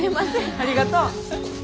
ありがとう。